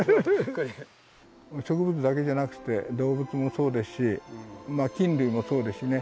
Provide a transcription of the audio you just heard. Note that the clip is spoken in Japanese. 植物だけじゃなくて動物もそうですし菌類もそうですしね。